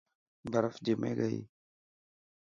برف جمي گئي.